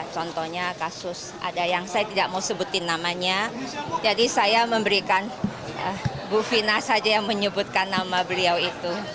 jadi saya memberikan bu vina saja yang menyebutkan nama beliau itu